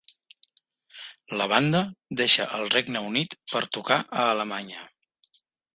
La banda deixa el Regne Unit per tocar a Alemanya.